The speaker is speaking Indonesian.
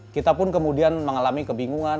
kita pun kemudian mengalami kebingungan